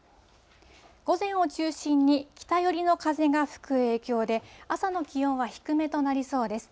午前を中心に北寄りの風が吹く影響で、朝の気温は低めとなりそうです。